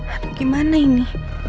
aduh gimana ini